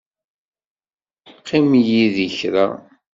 Qqim yid-i kra.